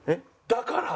だから。